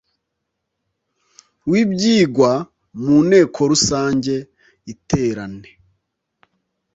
w ibyigwa mu nteko rusange iterane